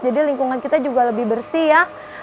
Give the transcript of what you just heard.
jadi lingkungan kita juga lebih bersih ya